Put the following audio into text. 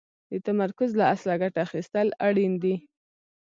د تمرکز له اصله ګټه اخيستل اړين دي.